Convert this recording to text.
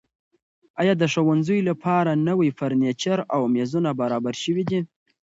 ایا د ښوونځیو لپاره نوي فرنیچر او میزونه برابر شوي دي؟